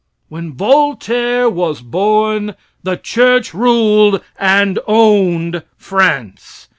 When Voltaire was born the church ruled and owned France.